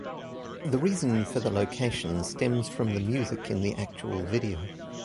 The reason for the location stems from the music in the actual video.